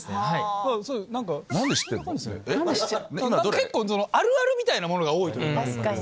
結構「あるある」みたいなものが多いというか。